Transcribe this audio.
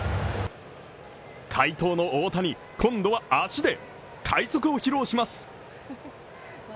快投の大谷、今度は足で快足を披露します。